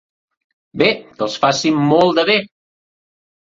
Bé, que els faci molt de bé!